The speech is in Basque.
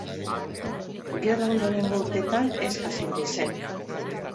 Gerra ondorengo urteetan eskas ibili zen.